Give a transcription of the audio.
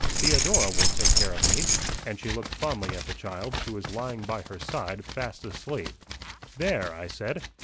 "Theodora will take care of me," and she looked fondly at the child, who was lying by her side fast asleep. "There!" I said.